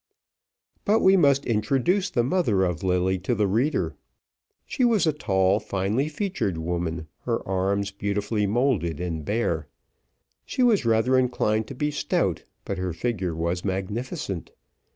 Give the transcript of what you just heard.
But we must introduce the mother of Lilly to the reader. She was a tall, finely featured woman, her arms beautifully moulded, and bare. She was rather inclined to be stout, but her figure was magnificent.